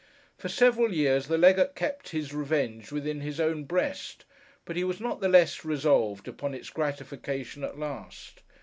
For several years the legate kept his revenge within his own breast, but he was not the less resolved upon its gratification at last.